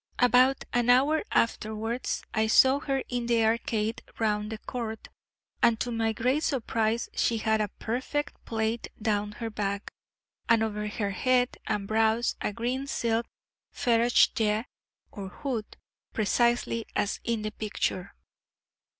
About an hour afterwards I saw her in the arcade round the court, and, to my great surprise, she had a perfect plait down her back, and over her head and brows a green silk feredjeh, or hood, precisely as in the picture.